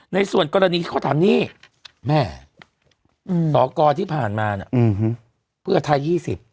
ในส่วนกรณีที่เขาถามนี่แม่สอกรที่ผ่านมาเนี่ยเพื่อไทย๒๐